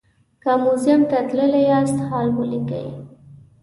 که موزیم ته تللي یاست حال ولیکئ.